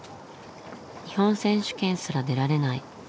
日本選手権すら出られない